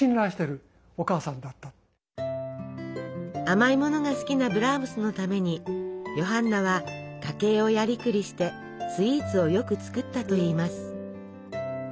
甘いものが好きなブラームスのためにヨハンナは家計をやりくりしてスイーツをよく作ったといいます。